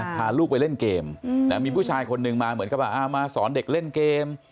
พาลูกไปเล่นเกมมีผู้ชายคนหนึ่งมาเหมือนกับว่ามาสอนเด็กเล่นเกม